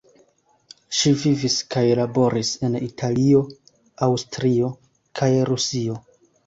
Ŝi vivis kaj laboris en Italio, Aŭstrio, kaj Rusio.